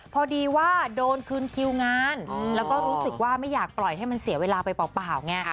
พอดีว่าโดนคืนคิวงานแล้วก็รู้สึกว่าไม่อยากปล่อยให้มันเสียเวลาไปเปล่าไง